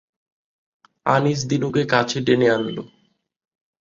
আনিস দিনুকে কাছে টেনে আনল।